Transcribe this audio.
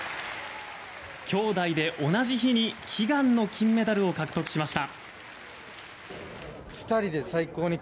兄妹で同じ日に悲願の金メダルを獲得しました。